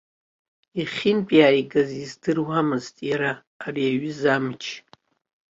Иахьынтәааигаз издыруамызт иара ари аҩыза амч.